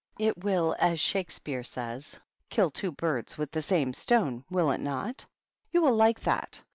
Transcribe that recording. It will, as Shakespeare says, * kill two birds with the same stone,' will it not? You will like that."